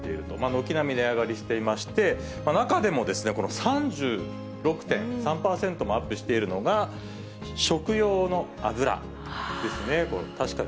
軒並み、値上がりしていまして、中でもこの３６．３％もアップしているのが、食用の油ですね。